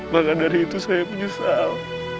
maka dari itu saya menyesal